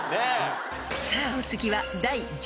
［さあお次は］